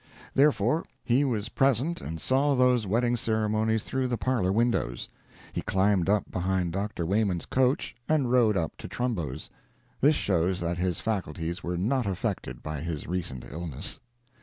Therefore, he was present and saw those wedding ceremonies through the parlor windows. He climbed up behind Dr. Wayman's coach and rode up to Trumbo's—this shows that his faculties were not affected by his recent illness.